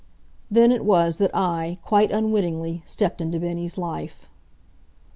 Then it was that I, quite unwittingly, stepped into Bennie's life.